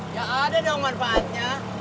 gak ada dong manfaatnya